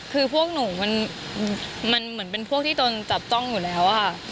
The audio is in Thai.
คือพวกหนูมันเหมือนเป็นพวกที่ตนจับจ้องอยู่แล้วค่ะ